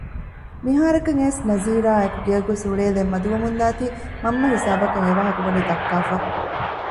މިހާރަކަށް އައިސް ނަޒީރާއެކު ގެއަށްގޮސް އުޅޭލެއް މަދުވަމުންދާތީ މަންމަ ހިސާބަކަށް އެވާހަކަ ވަނީ ދައްކައިފަ